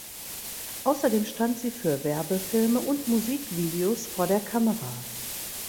Außerdem stand sie für Werbefilme und Musikvideos vor der Kamera.